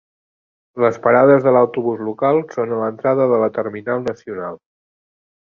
Les parades de l'autobús local són a l'entrada de la terminal nacional.